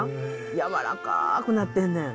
やわらかくなってんねん。